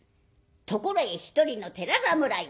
ところへ一人の寺侍が。